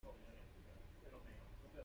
在復健及照護都可應用